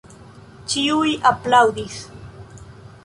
Ĉiuj aplaŭdis.